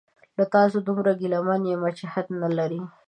له تاسو دومره ګیله من یمه چې حد نلري